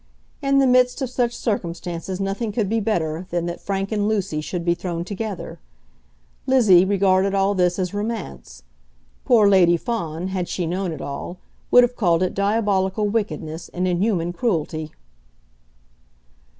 In the midst of such circumstances nothing could be better than that Frank and Lucy should be thrown together. Lizzie regarded all this as romance. Poor Lady Fawn, had she known it all, would have called it diabolical wickedness and inhuman cruelty.